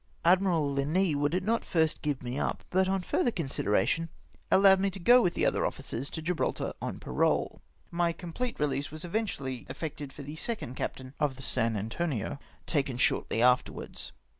Admiral Linois would not at first give me up, but, on further consideration, allowed me to go with the other officers to Gibraltar on 2Mrole. My complete release was event ually effected for the second captam of the aS;^. Antonio, taken shortly afterwards.